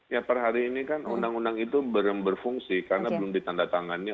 ya per hari ini kan undang undang itu belum berfungsi karena belum ditanda tangannya